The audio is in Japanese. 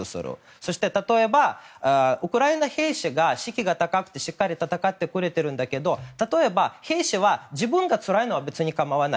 そして、例えばウクライナ兵士は士気が高くてしっかり戦ってくれてるんだけど例えば兵士は自分がつらいのは別に構わない。